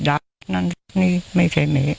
ดาบนั้นนี่ไม่ใช่เหมีย